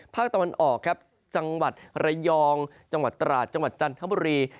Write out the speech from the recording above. ภาคตะวันออกครับจังหวัดระยองจังหวัดตราดจังหวัดจันทบุรี